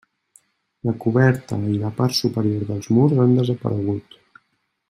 La coberta i la part superior dels murs han desaparegut.